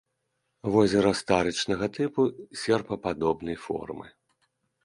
Возера старычнага тыпу, серпападобнай формы.